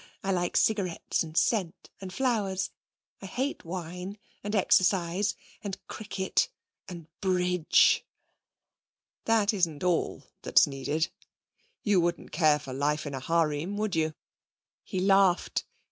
I like cigarettes, and scent, and flowers. I hate wine, and exercise, and cricket, and bridge.' 'That isn't all that's needed. You wouldn't care for life in a harem, would you?' He laughed.